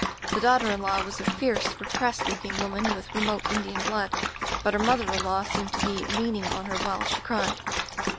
The daughter in law was a fierce, repressed looking woman with remote Indian blood — ^but her mother in law seemed to be lean ing on her while she cried.